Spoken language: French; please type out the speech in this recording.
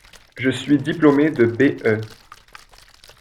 Je suis diplômé de B.E.